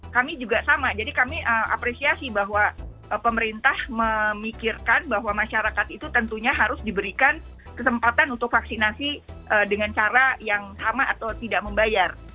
kami juga sama jadi kami apresiasi bahwa pemerintah memikirkan bahwa masyarakat itu tentunya harus diberikan kesempatan untuk vaksinasi dengan cara yang sama atau tidak membayar